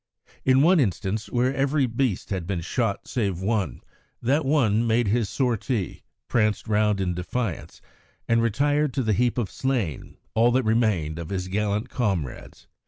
In one instance, where every beast had been shot save one, that one made his sortie, pranced round in defiance, and retired to the heap of slain, all that remained of his gallant comrades.